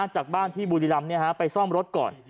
จากบ้านที่บุรีรำไปซ่อมรถก่อน